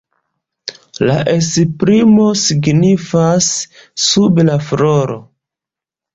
La esprimo signifas „sub la floro“.